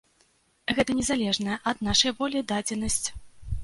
Гэта не залежная ад нашай волі дадзенасць.